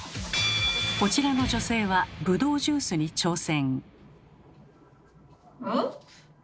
こちらの女性はぶどうジュースに挑戦。